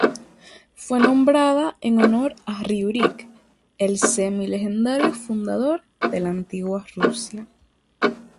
Fue nombrada en honor a Riúrik, el semi-legendario fundador de la antigua Rusia.